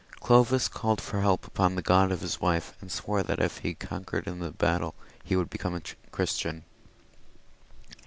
Clovis called for help upon the God of his wife, and swore that if he conquered in this battle, he would become a Christian.